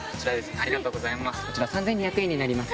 ありがとうございます。